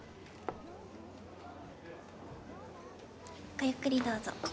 ごゆっくりどうぞ。